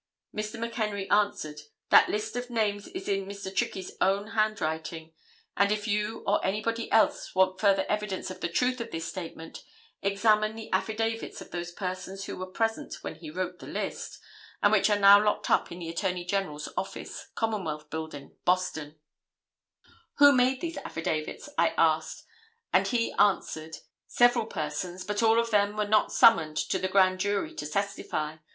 Mr. McHenry answered, "That list of names is in Mr. Trickey's own handwriting, and if you or anybody else want further evidence of the truth of this statement, examine the affidavits of those persons who were present when he wrote the list, and which are now locked up in the Attorney General's office, Commonwealth Building, Boston." [Illustration: MRS. NELLIE MCHENRY.] "Who made these affidavits?" I asked, and he answered, "Several persons, but all of them were not summoned to the Grand Jury to testify.